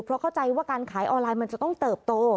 เพราะเข้าใจว่าการขายออนไลน์มันจะต้องเติบโต